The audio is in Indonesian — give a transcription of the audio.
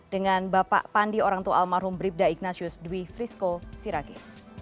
dengan bapak pandi orangtua almarhum bribda ignatius dwi frisko sirage